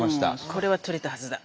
これは取れたはずだ。